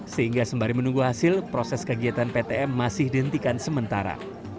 sehingga sembari menunggu hasil proses kegiatan ptm masih dihentikan sementara